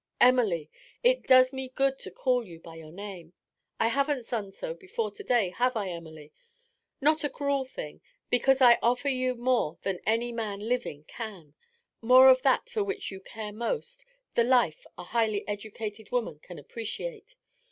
Emily! it does me good to call you by your name I haven't done so before to day, have I, Emily? Not a cruel thing, because I offer you more than any man living can, more of that for which you care most, the life a highly educated woman can appreciate.